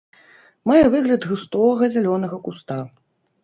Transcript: Мае выгляд густога зялёнага куста.